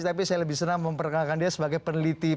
tapi saya lebih senang memperkenalkan dia sebagai peneliti